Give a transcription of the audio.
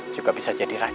juga bisa jadi racun